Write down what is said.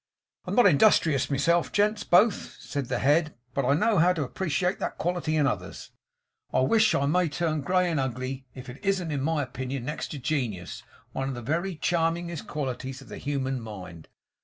'I am not industrious myself, gents both,' said the head, 'but I know how to appreciate that quality in others. I wish I may turn grey and ugly, if it isn't in my opinion, next to genius, one of the very charmingest qualities of the human mind.